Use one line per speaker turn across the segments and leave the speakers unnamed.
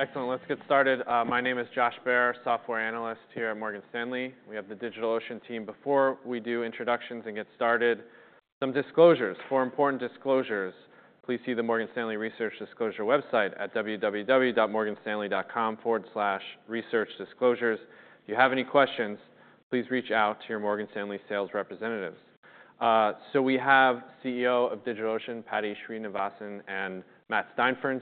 Excellent. Let's get started. My name is Josh Baer, Software Analyst here at Morgan Stanley. We have the DigitalOcean team. Before we do introductions and get started, some disclosures. For important disclosures, please see the Morgan Stanley Research Disclosure website at www.morganstanley.com/researchdisclosures. If you have any questions, please reach out to your Morgan Stanley sales representatives. So we have CEO of DigitalOcean, Paddy Srinivasan, and Matt Steinfort,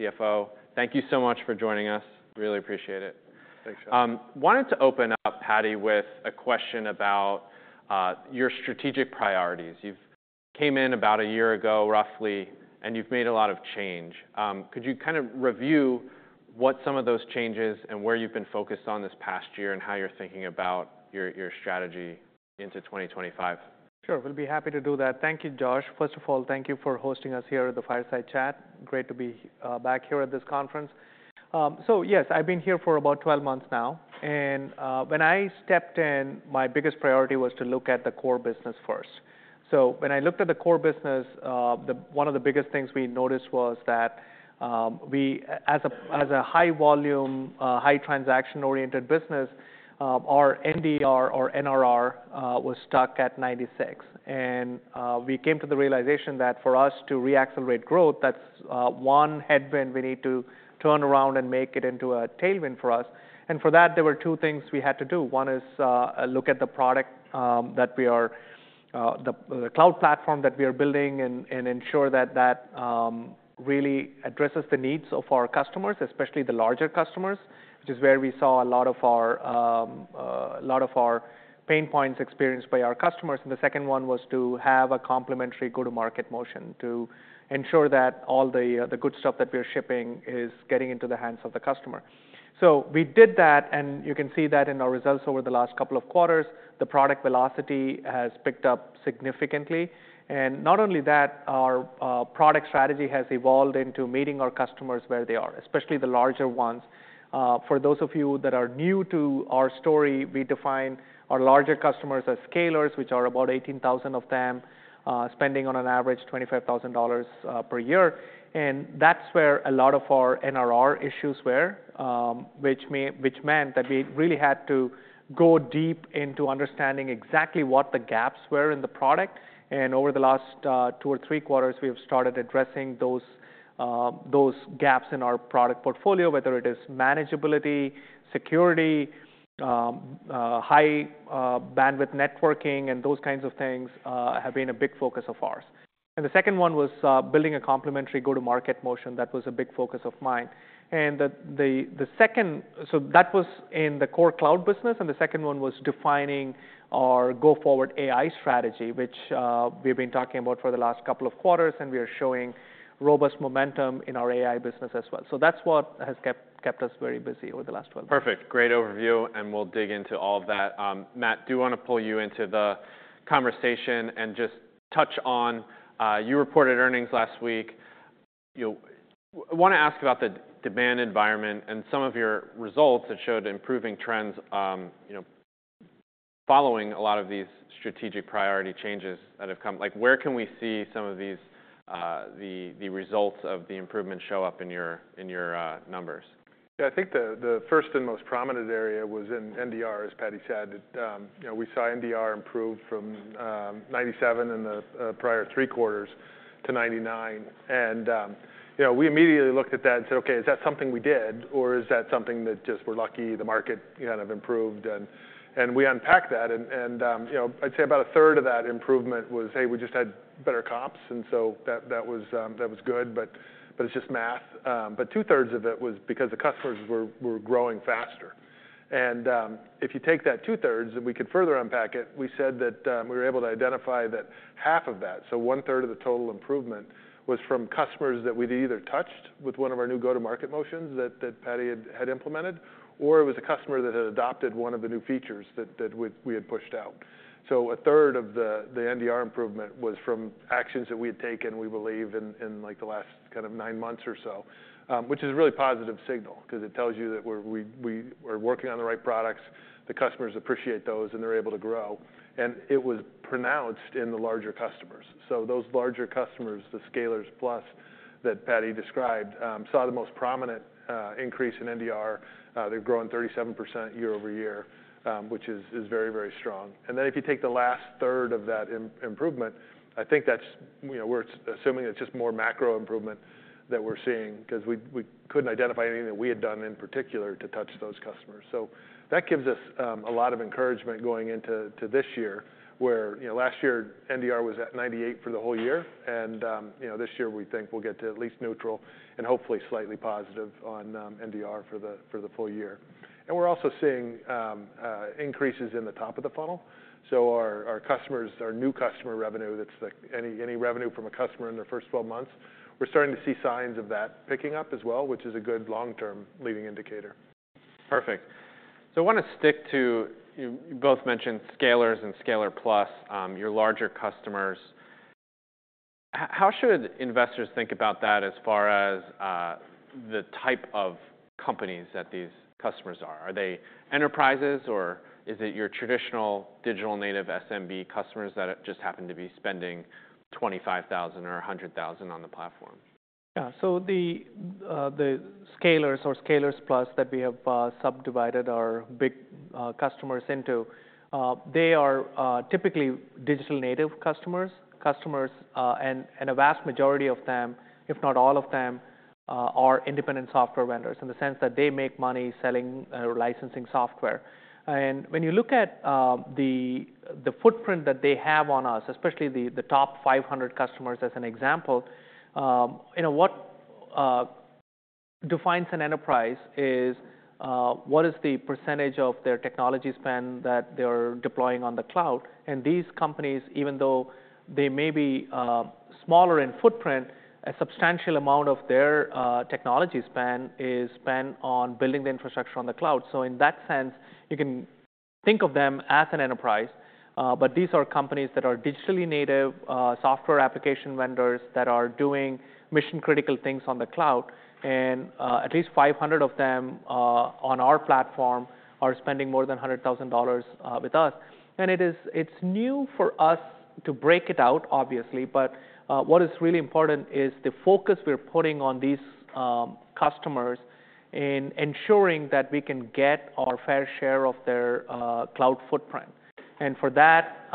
CFO. Thank you so much for joining us. Really appreciate it.
Thanks, Josh.
Wanted to open up, Paddy, with a question about your strategic priorities. You came in about a year ago, roughly, and you've made a lot of change. Could you kind of review what some of those changes and where you've been focused on this past year and how you're thinking about your strategy into 2025?
Sure. We'll be happy to do that. Thank you, Josh. First of all, thank you for hosting us here at the fireside chat. Great to be back here at this conference, so yes, I've been here for about 12 months now, and when I stepped in, my biggest priority was to look at the core business first, so when I looked at the core business, one of the biggest things we noticed was that we, as a high-volume, high-transaction-oriented business, our NDR or NRR was stuck at 96%. And we came to the realization that for us to reaccelerate growth, that's one headwind we need to turn around and make it into a tailwind for us, and for that, there were two things we had to do. One is look at the product that we are, the cloud platform that we are building, and ensure that that really addresses the needs of our customers, especially the larger customers, which is where we saw a lot of our pain points experienced by our customers, and the second one was to have a complementary go-to-market motion to ensure that all the good stuff that we are shipping is getting into the hands of the customer, so we did that, and you can see that in our results over the last couple of quarters. The product velocity has picked up significantly, and not only that, our product strategy has evolved into meeting our customers where they are, especially the larger ones. For those of you that are new to our story, we define our larger customers as scalers, which are about 18,000 of them, spending on an average $25,000 per year. And that's where a lot of our NRR issues were, which meant that we really had to go deep into understanding exactly what the gaps were in the product. And over the last two or three quarters, we have started addressing those gaps in our product portfolio, whether it is manageability, security, high-bandwidth networking, and those kinds of things have been a big focus of ours. And the second one was building a complementary go-to-market motion. That was a big focus of mine. And the second, so that was in the core cloud business, and the second one was defining our go-forward AI strategy, which we've been talking about for the last couple of quarters, and we are showing robust momentum in our AI business as well. So that's what has kept us very busy over the last 12 months.
Perfect. Great overview, and we'll dig into all of that. Matt, do you want to pull you into the conversation and just touch on your reported earnings last week? I want to ask about the demand environment and some of your results that showed improving trends following a lot of these strategic priority changes that have come. Where can we see some of the results of the improvement show up in your numbers?
Yeah, I think the first and most prominent area was in NDR, as Paddy said. We saw NDR improve from 97 in the prior three quarters to 99. And we immediately looked at that and said, "Okay, is that something we did, or is that something that just we're lucky the market kind of improved?" And we unpacked that. And I'd say about a third of that improvement was, "Hey, we just had better comps," and so that was good, but it's just math. But two-thirds of it was because the customers were growing faster. And if you take that two-thirds and we could further unpack it, we said that we were able to identify that half of that, so one-third of the total improvement, was from customers that we'd either touched with one of our new go-to-market motions that Paddy had implemented, or it was a customer that had adopted one of the new features that we had pushed out. So a third of the NDR improvement was from actions that we had taken, we believe, in the last kind of nine months or so, which is a really positive signal because it tells you that we are working on the right products, the customers appreciate those, and they're able to grow. And it was pronounced in the larger customers. So those larger customers, the Scalers Plus that Paddy described, saw the most prominent increase in NDR. They've grown 37% year over year, which is very, very strong. And then if you take the last third of that improvement, I think that's where we're assuming it's just more macro improvement that we're seeing because we couldn't identify anything that we had done in particular to touch those customers. So that gives us a lot of encouragement going into this year where last year NDR was at 98 for the whole year, and this year we think we'll get to at least neutral and hopefully slightly positive on NDR for the full year. And we're also seeing increases in the top of the funnel. So our customers, our new customer revenue, that's any revenue from a customer in their first 12 months, we're starting to see signs of that picking up as well, which is a good long-term leading indicator.
Perfect. So I want to stick to you both mentioned Scalers and Scalers Plus, your larger customers. How should investors think about that as far as the type of companies that these customers are? Are they enterprises, or is it your traditional digital native SMB customers that just happen to be spending $25,000 or $100,000 on the platform?
Yeah, so the Scalers or Scalers Plus that we have subdivided our big customers into, they are typically digital native customers, and a vast majority of them, if not all of them, are independent software vendors in the sense that they make money selling or licensing software. And when you look at the footprint that they have on us, especially the top 500 customers as an example, what defines an enterprise is what is the percentage of their technology spend that they're deploying on the cloud. And these companies, even though they may be smaller in footprint, a substantial amount of their technology spend is spent on building the infrastructure on the cloud. So in that sense, you can think of them as an enterprise, but these are companies that are digitally native software application vendors that are doing mission-critical things on the cloud. At least 500 of them on our platform are spending more than $100,000 with us. It's new for us to break it out, obviously, but what is really important is the focus we're putting on these customers in ensuring that we can get our fair share of their cloud footprint. For that,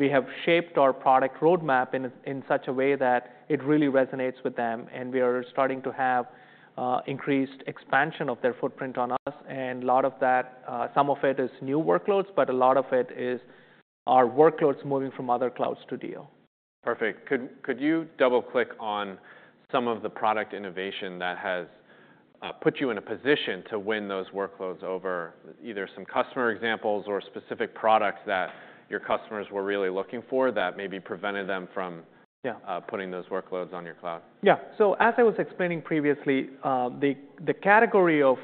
we have shaped our product roadmap in such a way that it really resonates with them, and we are starting to have increased expansion of their footprint on us. A lot of that, some of it is new workloads, but a lot of it is our workloads moving from other clouds to DO.
Perfect. Could you double-click on some of the product innovation that has put you in a position to win those workloads over either some customer examples or specific products that your customers were really looking for that maybe prevented them from putting those workloads on your cloud?
Yeah. So as I was explaining previously, the category of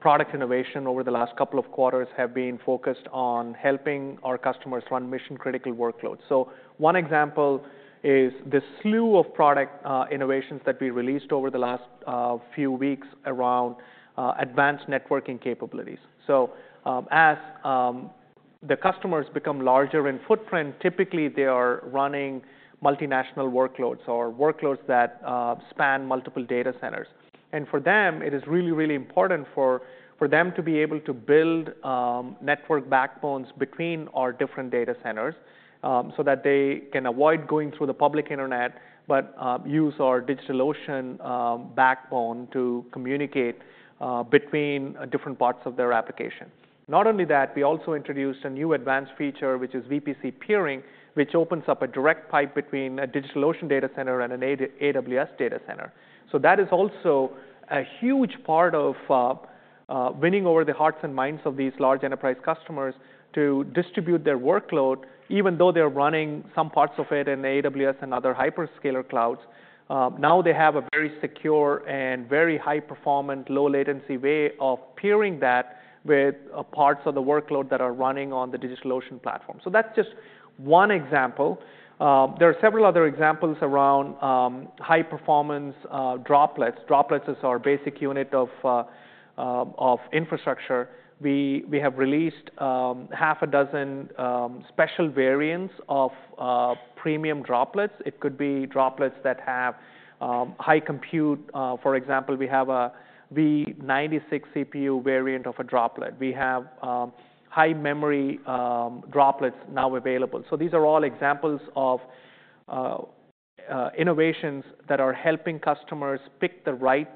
product innovation over the last couple of quarters has been focused on helping our customers run mission-critical workloads. So one example is the slew of product innovations that we released over the last few weeks around advanced networking capabilities. So as the customers become larger in footprint, typically they are running multinational workloads or workloads that span multiple data centers. And for them, it is really, really important for them to be able to build network backbones between our different data centers so that they can avoid going through the public internet, but use our DigitalOcean backbone to communicate between different parts of their application. Not only that, we also introduced a new advanced feature, which is VPC Peering, which opens up a direct pipe between a DigitalOcean data center and an AWS data center. So that is also a huge part of winning over the hearts and minds of these large enterprise customers to distribute their workload, even though they're running some parts of it in AWS and other hyperscaler clouds. Now they have a very secure and very high-performant, low-latency way of peering that with parts of the workload that are running on the DigitalOcean platform. So that's just one example. There are several other examples around high-performance Droplets. Droplets is our basic unit of infrastructure. We have released half a dozen special variants of Premium Droplets. It could be Droplets that have high compute. For example, we have a V96 CPU variant of a Droplet. We have high-memory Droplets now available. So these are all examples of innovations that are helping customers pick the right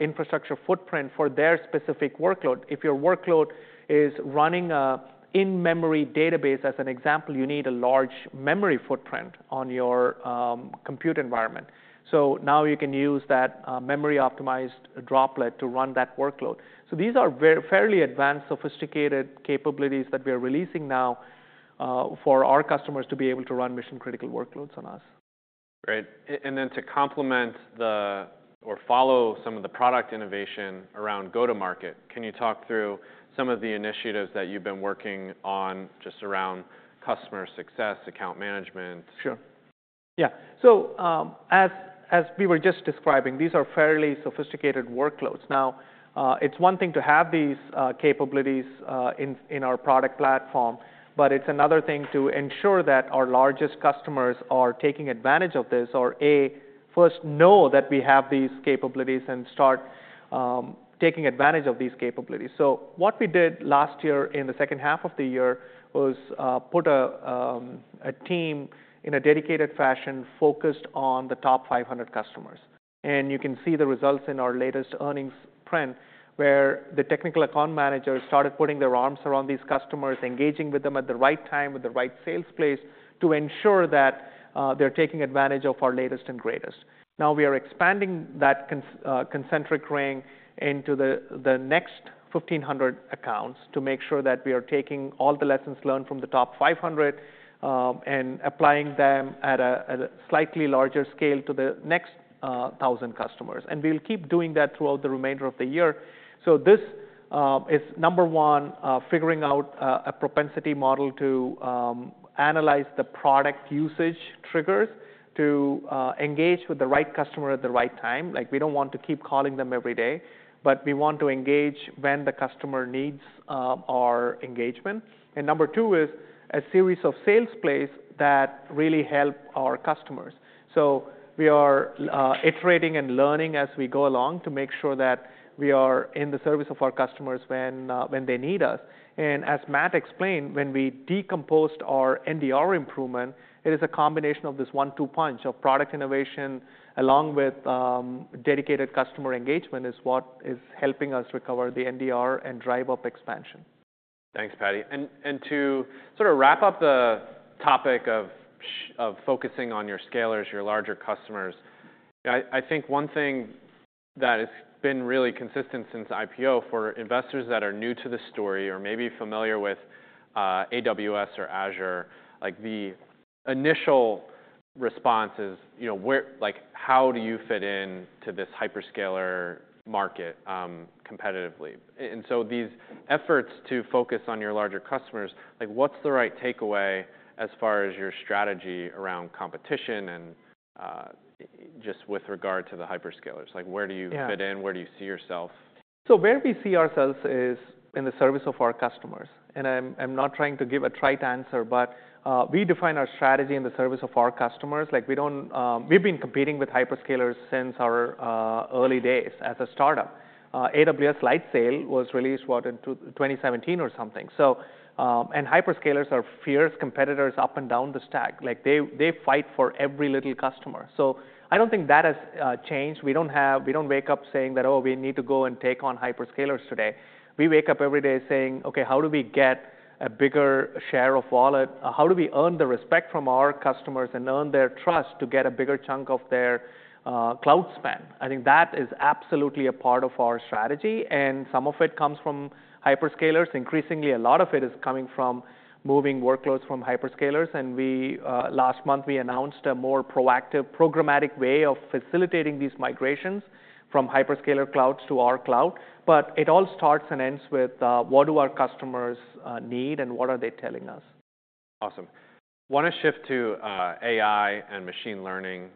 infrastructure footprint for their specific workload. If your workload is running an in-memory database, as an example, you need a large memory footprint on your compute environment. So now you can use that memory-optimized Droplet to run that workload. So these are fairly advanced, sophisticated capabilities that we are releasing now for our customers to be able to run mission-critical workloads on us.
Great. And then to complement or follow some of the product innovation around go-to-market, can you talk through some of the initiatives that you've been working on just around customer success, account management?
Sure. Yeah. So as we were just describing, these are fairly sophisticated workloads. Now, it's one thing to have these capabilities in our product platform, but it's another thing to ensure that our largest customers are taking advantage of this or, A, first know that we have these capabilities and start taking advantage of these capabilities. So what we did last year in the second half of the year was put a team in a dedicated fashion focused on the top 500 customers. And you can see the results in our latest earnings print where the technical account managers started putting their arms around these customers, engaging with them at the right time with the right sales plays to ensure that they're taking advantage of our latest and greatest. Now we are expanding that concentric ring into the next 1,500 accounts to make sure that we are taking all the lessons learned from the top 500 and applying them at a slightly larger scale to the next 1,000 customers, and we'll keep doing that throughout the remainder of the year, so this is number one, figuring out a propensity model to analyze the product usage triggers to engage with the right customer at the right time. We don't want to keep calling them every day, but we want to engage when the customer needs our engagement, and number two is a series of sales plays that really help our customers, so we are iterating and learning as we go along to make sure that we are in the service of our customers when they need us. As Matt explained, when we decomposed our NDR improvement, it is a combination of this one-two punch of product innovation along with dedicated customer engagement, is what is helping us recover the NDR and drive up expansion.
Thanks, Paddy, and to sort of wrap up the topic of focusing on your scalers, your larger customers, I think one thing that has been really consistent since IPO for investors that are new to the story or maybe familiar with AWS or Azure. The initial response is, "How do you fit into this hyperscaler market competitively?" And so these efforts to focus on your larger customers, what's the right takeaway as far as your strategy around competition and just with regard to the hyperscalers? Where do you fit in? Where do you see yourself?
Where we see ourselves is in the service of our customers. I'm not trying to give a trite answer, but we define our strategy in the service of our customers. We've been competing with hyperscalers since our early days as a startup. AWS Lightsail was released, what, in 2017 or something. Hyperscalers are fierce competitors up and down the stack. They fight for every little customer. I don't think that has changed. We don't wake up saying that, "Oh, we need to go and take on hyperscalers today." We wake up every day saying, "Okay, how do we get a bigger share of wallet? How do we earn the respect from our customers and earn their trust to get a bigger chunk of their cloud spend?" I think that is absolutely a part of our strategy, and some of it comes from hyperscalers. Increasingly, a lot of it is coming from moving workloads from hyperscalers, and last month, we announced a more proactive, programmatic way of facilitating these migrations from hyperscaler clouds to our cloud, but it all starts and ends with, "What do our customers need and what are they telling us?
Awesome. I want to shift to AI and machine learning,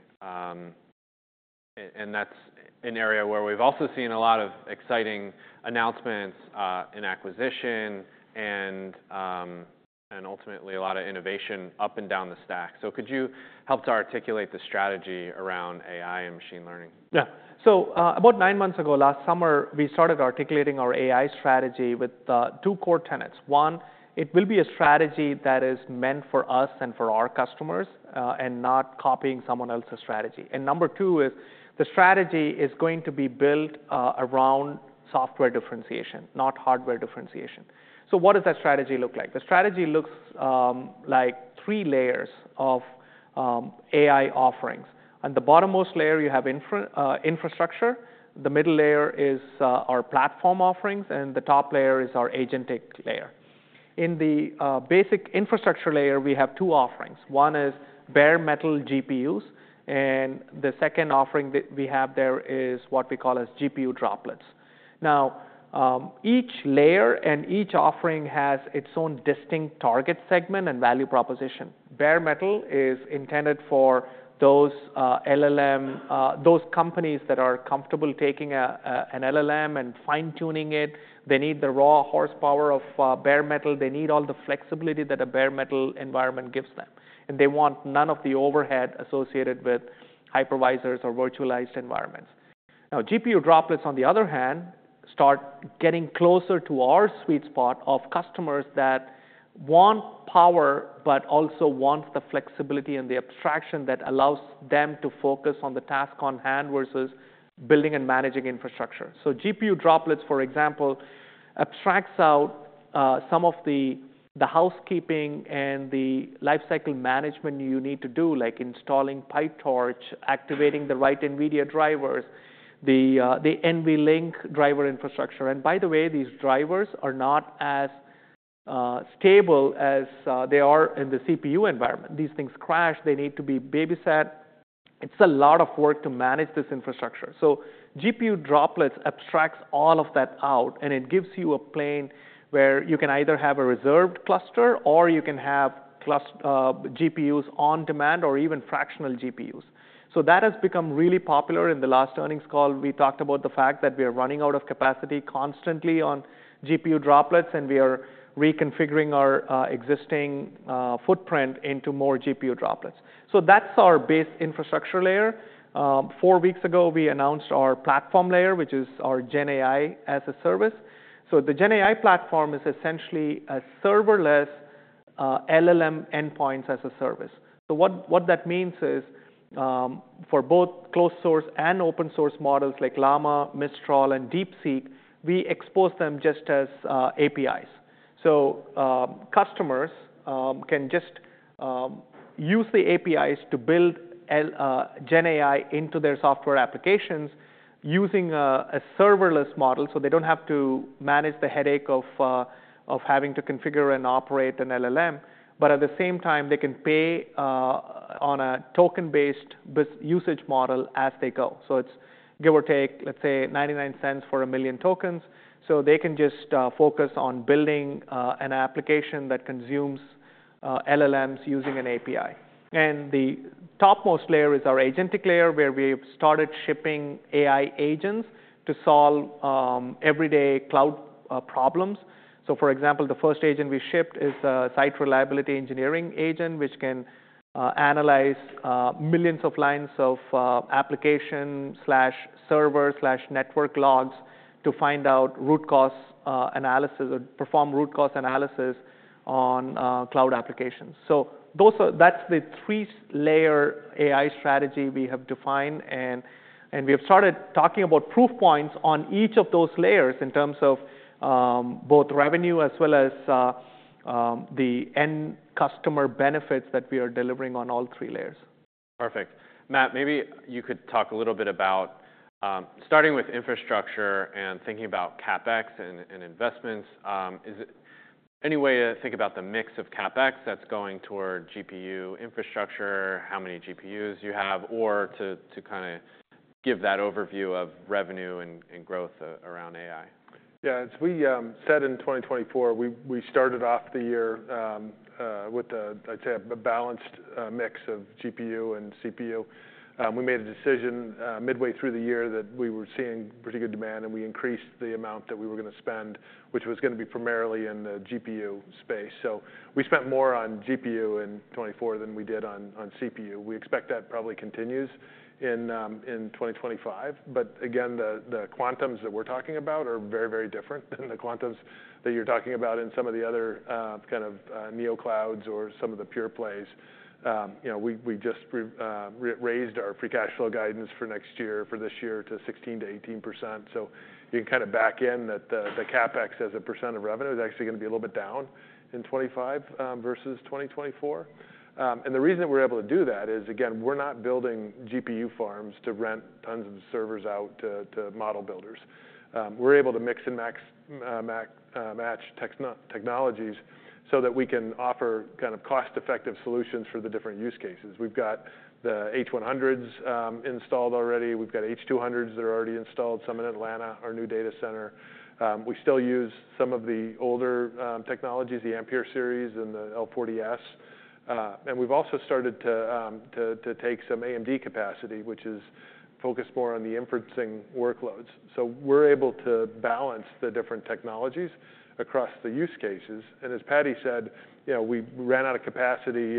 and that's an area where we've also seen a lot of exciting announcements, an acquisition and ultimately a lot of innovation up and down the stack. So could you help to articulate the strategy around AI and machine learning?
Yeah. So about nine months ago last summer, we started articulating our AI strategy with two core tenets. One, it will be a strategy that is meant for us and for our customers and not copying someone else's strategy. And number two is the strategy is going to be built around software differentiation, not hardware differentiation. So what does that strategy look like? The strategy looks like three layers of AI offerings. On the bottommost layer, you have infrastructure. The middle layer is our platform offerings, and the top layer is our Agentic Layer. In the basic infrastructure layer, we have two offerings. One is bare metal GPUs, and the second offering that we have there is what we call GPU Droplets. Now, each layer and each offering has its own distinct target segment and value proposition. Bare metal is intended for those companies that are comfortable taking an LLM and fine-tuning it. They need the raw horsepower of bare metal. They need all the flexibility that a bare metal environment gives them, and they want none of the overhead associated with hypervisors or virtualized environments. Now, GPU droplets, on the other hand, start getting closer to our sweet spot of customers that want power but also want the flexibility and the abstraction that allows them to focus on the task on hand versus building and managing infrastructure. So GPU droplets, for example, abstracts out some of the housekeeping and the lifecycle management you need to do, like installing PyTorch, activating the right NVIDIA drivers, the NVLink driver infrastructure, and by the way, these drivers are not as stable as they are in the CPU environment. These things crash. They need to be babysat. It's a lot of work to manage this infrastructure. So GPU Droplets abstracts all of that out, and it gives you a plane where you can either have a reserved cluster or you can have GPUs on demand or even fractional GPUs. So that has become really popular. In the last earnings call, we talked about the fact that we are running out of capacity constantly on GPU Droplets, and we are reconfiguring our existing footprint into more GPU Droplets. So that's our base infrastructure layer. Four weeks ago, we announced our platform layer, which is our GenAI as a service. So the GenAI Platform is essentially a serverless LLM endpoints as a service. So what that means is for both closed-source and open-source models like Llama, Mistral, and DeepSeek, we expose them just as APIs. Customers can just use the APIs to build GenAI into their software applications using a serverless model, so they don't have to manage the headache of having to configure and operate an LLM. But at the same time, they can pay on a token-based usage model as they go. So it's give or take, let's say, $0.99 for a million tokens. So they can just focus on building an application that consumes LLMs using an API. And the topmost layer is our agentic layer, where we have started shipping AI agents to solve everyday cloud problems. So for example, the first agent we shipped is a site reliability engineering agent, which can analyze millions of lines of application/server/network logs to find out root cause analysis or perform root cause analysis on cloud applications. So that's the three-layer AI strategy we have defined, and we have started talking about proof points on each of those layers in terms of both revenue as well as the end customer benefits that we are delivering on all three layers.
Perfect. Matt, maybe you could talk a little bit about starting with infrastructure and thinking about CapEx and investments. Is there any way to think about the mix of CapEx that's going toward GPU infrastructure, how many GPUs you have, or to kind of give that overview of revenue and growth around AI?
Yeah. As we said in 2024, we started off the year with, I'd say, a balanced mix of GPU and CPU. We made a decision midway through the year that we were seeing pretty good demand, and we increased the amount that we were going to spend, which was going to be primarily in the GPU space. So we spent more on GPU in 2024 than we did on CPU. We expect that probably continues in 2025. But again, the quantums that we're talking about are very, very different than the quantums that you're talking about in some of the other kind of neoclouds or some of the pure-plays. We just raised our free cash flow guidance for next year, for this year, to 16% to 18%. You can kind of back in that the CapEx as a % of revenue is actually going to be a little bit down in 2025 versus 2024. And the reason that we're able to do that is, again, we're not building GPU farms to rent tons of servers out to model builders. We're able to mix and match technologies so that we can offer kind of cost-effective solutions for the different use cases. We've got the H100s installed already. We've got H200s that are already installed, some in Atlanta, our new data center. We still use some of the older technologies, the Ampere series and the L40S. And we've also started to take some AMD capacity, which is focused more on the inferencing workloads. So we're able to balance the different technologies across the use cases. And as Paddy said, we ran out of capacity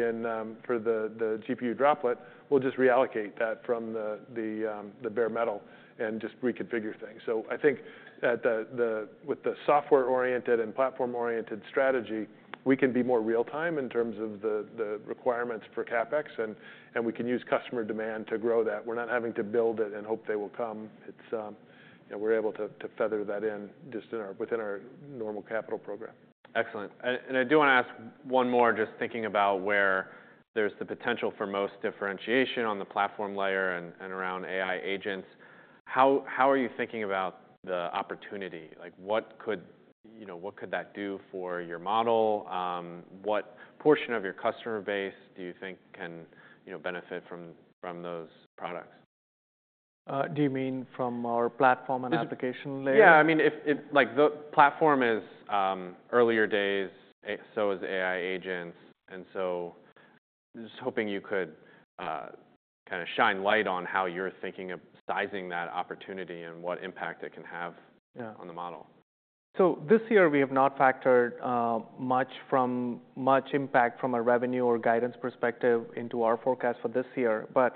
for the GPU Droplet. We'll just reallocate that from the bare metal and just reconfigure things. So I think with the software-oriented and platform-oriented strategy, we can be more real-time in terms of the requirements for CapEx, and we can use customer demand to grow that. We're not having to build it and hope they will come. We're able to feather that in just within our normal capital program.
Excellent, and I do want to ask one more, just thinking about where there's the potential for most differentiation on the platform layer and around AI agents. How are you thinking about the opportunity? What could that do for your model? What portion of your customer base do you think can benefit from those products?
Do you mean from our platform and application layer?
Yeah. I mean, the platform is early days, so is AI agents. And so just hoping you could kind of shine light on how you're thinking of sizing that opportunity and what impact it can have on the model.
So this year, we have not factored much impact from a revenue or guidance perspective into our forecast for this year. But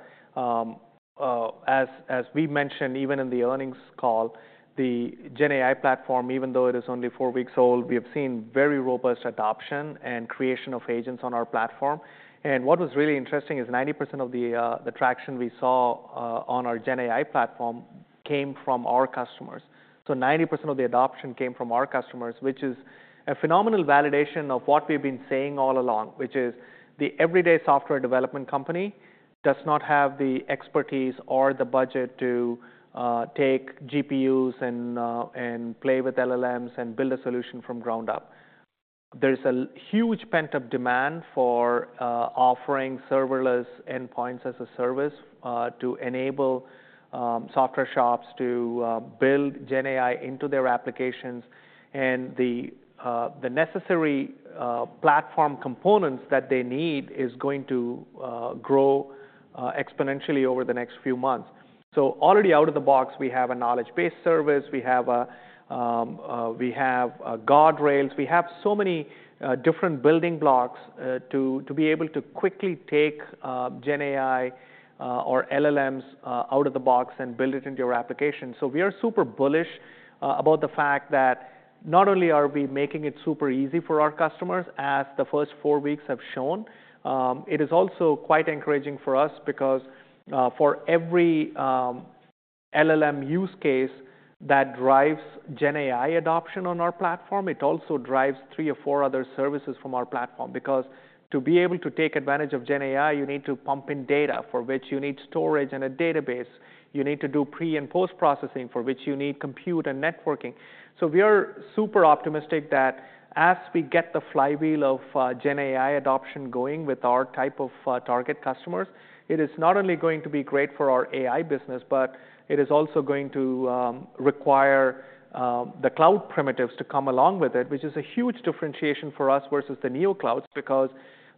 as we mentioned, even in the earnings call, the GenAI Platform, even though it is only four weeks old, we have seen very robust adoption and creation of agents on our platform. And what was really interesting is 90% of the traction we saw on our GenAI Platform came from our customers. So 90% of the adoption came from our customers, which is a phenomenal validation of what we've been saying all along, which is the everyday software development company does not have the expertise or the budget to take GPUs and play with LLMs and build a solution from ground up. There's a huge pent-up demand for offering serverless endpoints as a service to enable software shops to build GenAI into their applications. And the necessary platform components that they need is going to grow exponentially over the next few months. So already out of the box, we have a knowledge-based service. We have guardrails. We have so many different building blocks to be able to quickly take GenAI or LLMs out of the box and build it into your application. So we are super bullish about the fact that not only are we making it super easy for our customers, as the first four weeks have shown, it is also quite encouraging for us because for every LLM use case that drives GenAI adoption on our platform, it also drives three or four other services from our platform. Because to be able to take advantage of GenAI, you need to pump in data for which you need storage and a database. You need to do pre- and post-processing for which you need compute and networking. So we are super optimistic that as we get the flywheel of GenAI adoption going with our type of target customers, it is not only going to be great for our AI business, but it is also going to require the cloud primitives to come along with it, which is a huge differentiation for us versus the NeoClouds because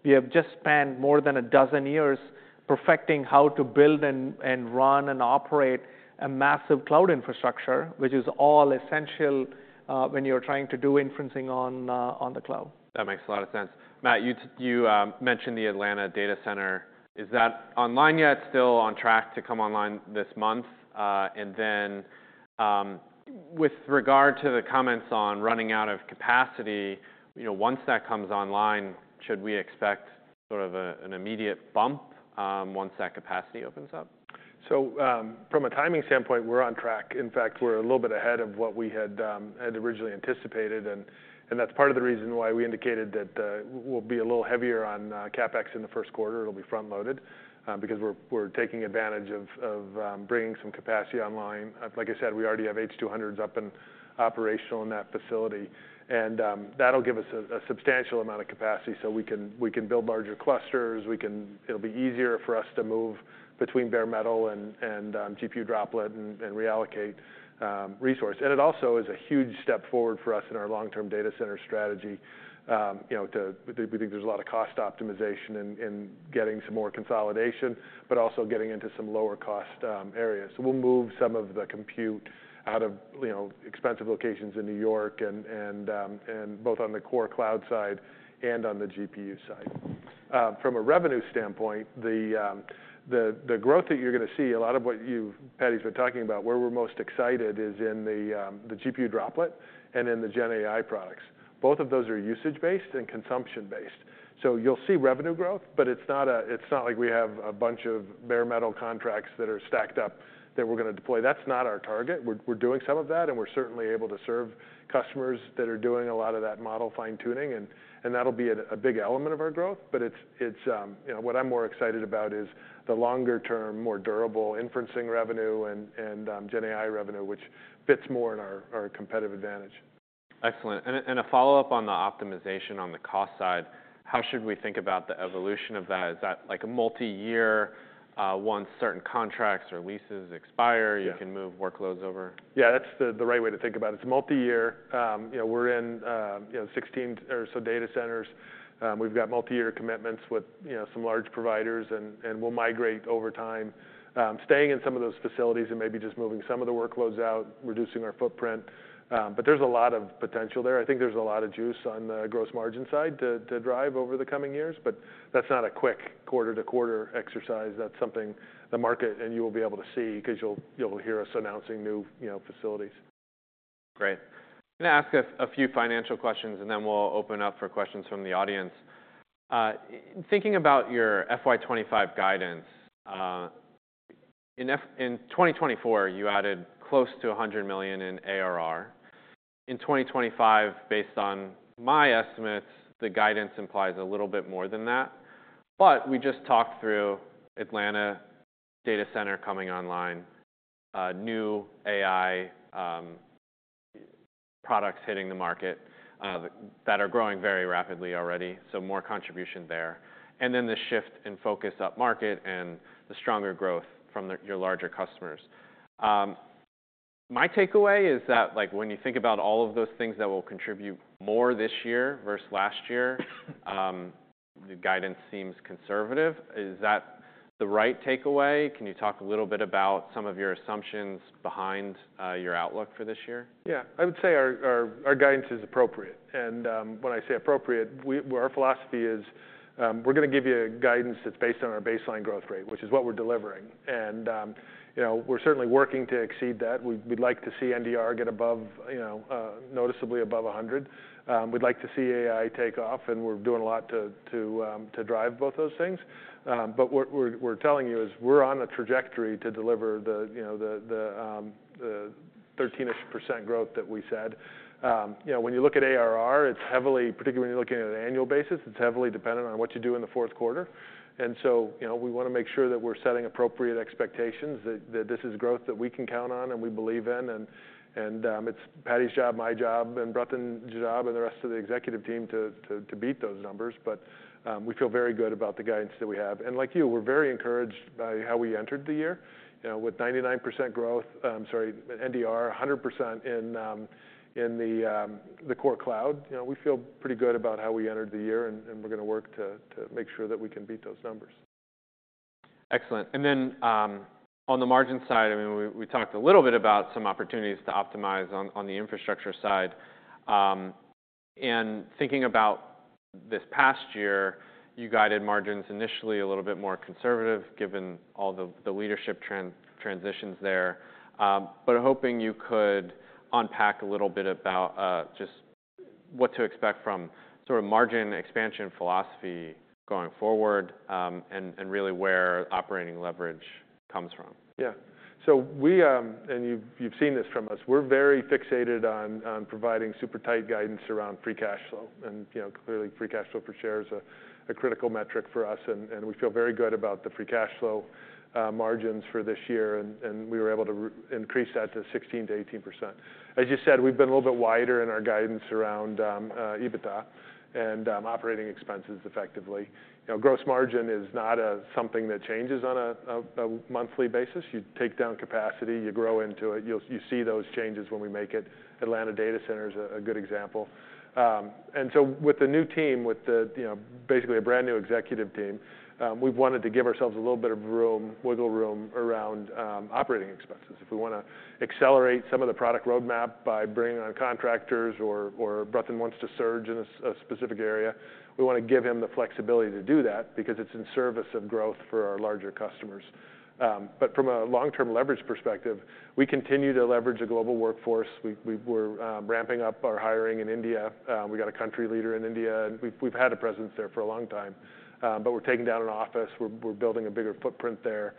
we have just spent more than a dozen years perfecting how to build and run and operate a massive cloud infrastructure, which is all essential when you're trying to do inferencing on the cloud.
That makes a lot of sense. Matt, you mentioned the Atlanta data center. Is that online yet? It's still on track to come online this month. And then with regard to the comments on running out of capacity, once that comes online, should we expect sort of an immediate bump once that capacity opens up?
So from a timing standpoint, we're on track. In fact, we're a little bit ahead of what we had originally anticipated. And that's part of the reason why we indicated that we'll be a little heavier on CapEx in the first quarter. It'll be front-loaded because we're taking advantage of bringing some capacity online. Like I said, we already have H200s up and operational in that facility. And that'll give us a substantial amount of capacity so we can build larger clusters. It'll be easier for us to move between bare metal and GPU droplet and reallocate resource. And it also is a huge step forward for us in our long-term data center strategy. We think there's a lot of cost optimization in getting some more consolidation, but also getting into some lower-cost areas. So we'll move some of the compute out of expensive locations in New York, both on the core cloud side and on the GPU side. From a revenue standpoint, the growth that you're going to see, a lot of what Paddy's been talking about, where we're most excited is in the GPU Droplet and in the GenAI products. Both of those are usage-based and consumption-based. So you'll see revenue growth, but it's not like we have a bunch of Bare Metal contracts that are stacked up that we're going to deploy. That's not our target. We're doing some of that, and we're certainly able to serve customers that are doing a lot of that model fine-tuning. And that'll be a big element of our growth. But what I'm more excited about is the longer-term, more durable inferencing revenue and GenAI revenue, which fits more in our competitive advantage.
Excellent. And a follow-up on the optimization on the cost side, how should we think about the evolution of that? Is that like a multi-year once certain contracts or leases expire? You can move workloads over?
Yeah, that's the right way to think about it. It's multi-year. We're in 16 or so data centers. We've got multi-year commitments with some large providers, and we'll migrate over time, staying in some of those facilities and maybe just moving some of the workloads out, reducing our footprint. But there's a lot of potential there. I think there's a lot of juice on the gross margin side to drive over the coming years. But that's not a quick quarter-to-quarter exercise. That's something the market and you will be able to see because you'll hear us announcing new facilities.
Great. I'm going to ask a few financial questions, and then we'll open up for questions from the audience. Thinking about your FY25 guidance, in 2024, you added close to $100 million in ARR. In 2025, based on my estimates, the guidance implies a little bit more than that. But we just talked through Atlanta data center coming online, new AI products hitting the market that are growing very rapidly already, so more contribution there. And then the shift in focus up market and the stronger growth from your larger customers. My takeaway is that when you think about all of those things that will contribute more this year versus last year, the guidance seems conservative. Is that the right takeaway? Can you talk a little bit about some of your assumptions behind your outlook for this year? Yeah. I would say our guidance is appropriate. And when I say appropriate, our philosophy is we're going to give you guidance that's based on our baseline growth rate, which is what we're delivering. And we're certainly working to exceed that. We'd like to see NDR get noticeably above 100. We'd like to see AI take off, and we're doing a lot to drive both those things. But what we're telling you is we're on the trajectory to deliver the 13-ish% growth that we said. When you look at ARR, it's heavily, particularly when you're looking at an annual basis, it's heavily dependent on what you do in the fourth quarter. And so we want to make sure that we're setting appropriate expectations, that this is growth that we can count on and we believe in. It's Paddy's job, my job, and Bratin's job, and the rest of the executive team to beat those numbers. But we feel very good about the guidance that we have. Like you, we're very encouraged by how we entered the year with 99% growth, sorry, NDR, 100% in the core cloud. We feel pretty good about how we entered the year, and we're going to work to make sure that we can beat those numbers. Excellent. And then on the margin side, I mean, we talked a little bit about some opportunities to optimize on the infrastructure side. And thinking about this past year, you guided margins initially a little bit more conservative given all the leadership transitions there. But hoping you could unpack a little bit about just what to expect from sort of margin expansion philosophy going forward and really where operating leverage comes from.
Yeah. So you've seen this from us. We're very fixated on providing super tight guidance around free cash flow. And clearly, free cash flow per share is a critical metric for us. And we feel very good about the free cash flow margins for this year. And we were able to increase that to 16%-18%. As you said, we've been a little bit wider in our guidance around EBITDA and operating expenses effectively. Gross margin is not something that changes on a monthly basis. You take down capacity, you grow into it. You see those changes when we make it. Atlanta data center is a good example. And so with the new team, with basically a brand new executive team, we've wanted to give ourselves a little bit of wiggle room around operating expenses. If we want to accelerate some of the product roadmap by bringing on contractors or Bratin wants to surge in a specific area, we want to give him the flexibility to do that because it's in service of growth for our larger customers, but from a long-term leverage perspective, we continue to leverage a global workforce. We're ramping up our hiring in India. We got a country leader in India. We've had a presence there for a long time, but we're taking down an office. We're building a bigger footprint there.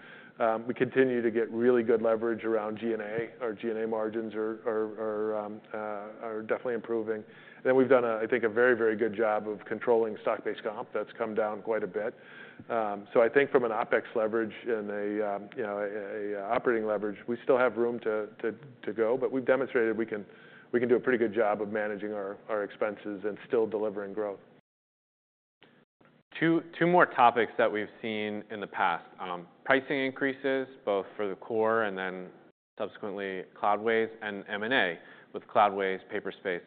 We continue to get really good leverage around G&A. Our G&A margins are definitely improving, and we've done, I think, a very, very good job of controlling stock-based comp. That's come down quite a bit, so I think from an OpEx leverage and an operating leverage, we still have room to go. But we've demonstrated we can do a pretty good job of managing our expenses and still delivering growth.
Two more topics that we've seen in the past: pricing increases, both for the core and then subsequently Cloudways and M&A with Cloudways, Paperspace.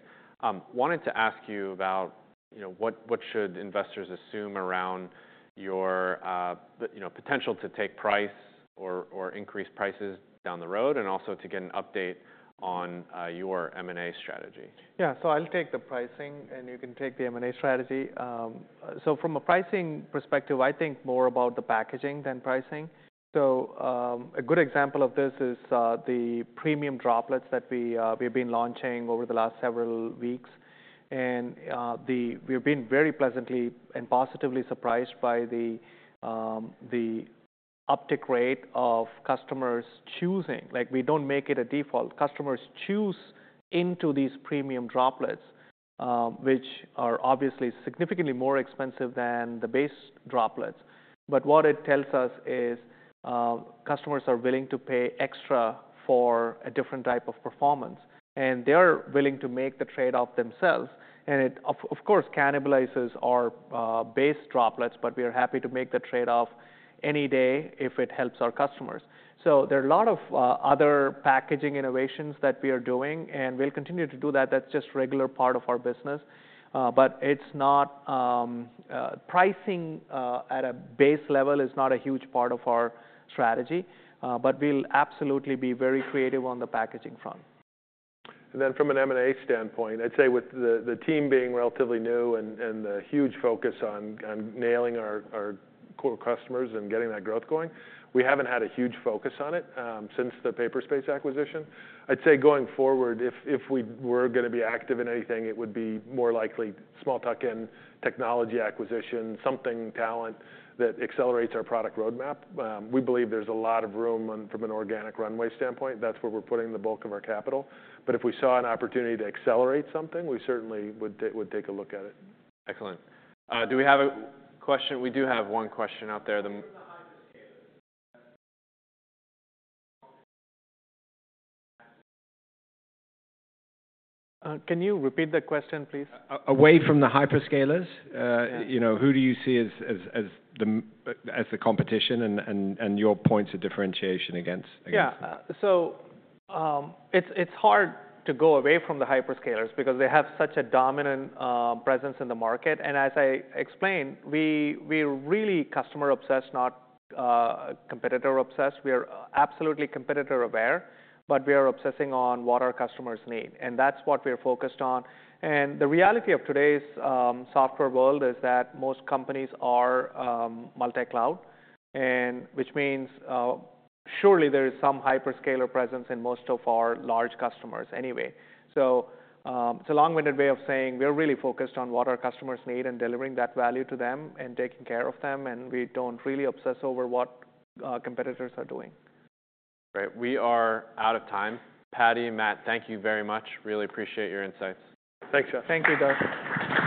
Wanted to ask you about what should investors assume around your potential to take price or increase prices down the road and also to get an update on your M&A strategy.
Yeah. So I'll take the pricing, and you can take the M&A strategy. So from a pricing perspective, I think more about the packaging than pricing. So a good example of this is the Premium Droplets that we have been launching over the last several weeks. And we have been very pleasantly and positively surprised by the uptick rate of customers choosing. We don't make it a default. Customers choose into these Premium Droplets, which are obviously significantly more expensive than the base Droplets. But what it tells us is customers are willing to pay extra for a different type of performance. And they are willing to make the trade-off themselves. And it, of course, cannibalizes our base Droplets, but we are happy to make the trade-off any day if it helps our customers. There are a lot of other packaging innovations that we are doing, and we'll continue to do that. That's just a regular part of our business. Pricing at a base level is not a huge part of our strategy. We'll absolutely be very creative on the packaging front.
And then from an M&A standpoint, I'd say with the team being relatively new and the huge focus on nailing our core customers and getting that growth going, we haven't had a huge focus on it since the Paperspace acquisition. I'd say going forward, if we were going to be active in anything, it would be more likely small-tuck-in technology acquisition, something talent that accelerates our product roadmap. We believe there's a lot of room from an organic runway standpoint. That's where we're putting the bulk of our capital. But if we saw an opportunity to accelerate something, we certainly would take a look at it.
Excellent. Do we have a question? We do have one question out there.
Can you repeat the question, please?
Away from the hyperscalers, who do you see as the competition and your points of differentiation against?
Yeah. So it's hard to go away from the hyperscalers because they have such a dominant presence in the market. And as I explained, we're really customer-obsessed, not competitor-obsessed. We are absolutely competitor-aware, but we are obsessing on what our customers need. And that's what we are focused on. And the reality of today's software world is that most companies are multi-cloud, which means surely there is some hyperscaler presence in most of our large customers anyway. So it's a long-winded way of saying we are really focused on what our customers need and delivering that value to them and taking care of them. And we don't really obsess over what competitors are doing.
Great. We are out of time. Paddy, Matt, thank you very much. Really appreciate your insights.
Thanks, Jeff.
Thank you, Doug.